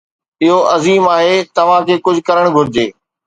اهو عظيم آهي، توهان کي ڪجهه ڪرڻ گهرجي